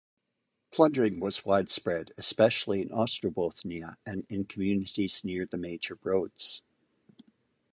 Plundering was widespread, especially in Ostrobothnia and in communities near the major roads.